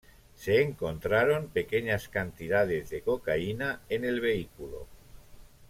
Se encontraron pequeñas cantidades de cocaína en el vehículo.